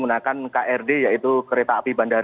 penumpang tujuan bandung dan juga tujuan bandung